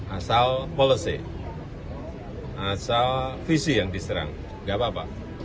asal policy asal visi yang diserang nggak apa apa